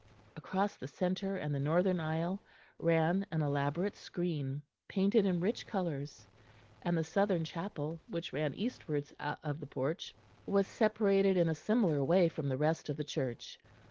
Across the centre and the northern aisle ran an elaborate screen, painted in rich colours, and the southern chapel, which ran eastwards of the porch, was separated in a similar way from the rest of the church.